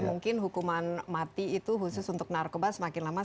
mungkin hukuman mati itu khusus untuk narkoba semakin lama